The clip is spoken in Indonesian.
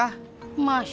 masya allah tis